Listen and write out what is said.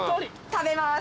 食べます。